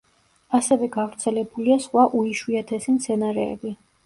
ასევე გავრცელებულია სხვა უიშვიათესი მცენარეები.